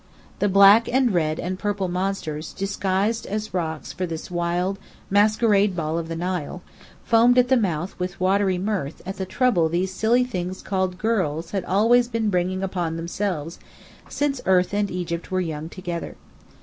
The black and red and purple monsters disguised as rocks for this wild, masquerade ball of the Nile, foamed at the mouth with watery mirth at the trouble these silly things called girls had always been bringing on themselves, since Earth and Egypt were young together.